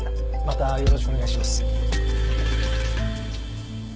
またよろしくお願いします。